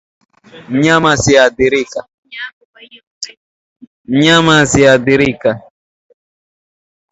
Mnyama asiyeathirika